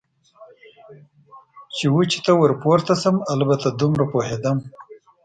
چې وچې ته ور پورته شم، البته دومره پوهېدم.